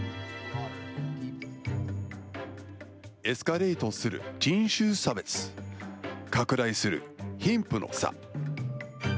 エスカレートする人種差別。拡大する貧富の差。